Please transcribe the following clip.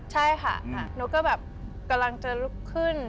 ใช่ค่ะหนูก็แบบกำลังจะลุกขึ้น